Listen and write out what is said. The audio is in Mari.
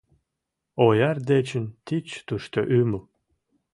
Ояр дечын тич тушто ӱмыл